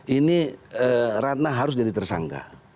ini ratna harus jadi tersangka